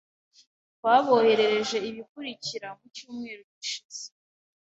Twaboherereje ibikurikira mu cyumweru gishize.